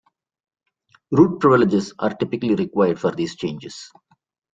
Root privileges are typically required for these changes.